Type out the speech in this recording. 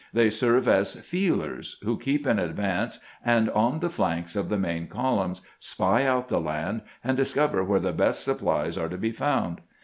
They serve as * feelers ' who keep in advance and on the flanks of the main columns, spy out the land, and discover where the best supplies are to be found.